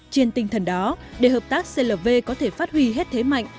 trên tinh thần đó để hợp tác clv có thể phát huy hết thế mạnh